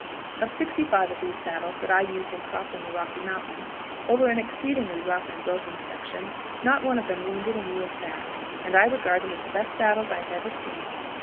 Of sixty five of these saddles that I used in crossing the Rocky Mountains, over an exceedingly rough and broken section, not one of them wounded a mule's back, and I regard them as the best saddles I have ever seen.